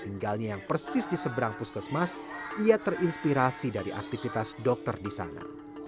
tinggalnya yang persis di seberang puskesmas ia terinspirasi dari aktivitas dokter di sana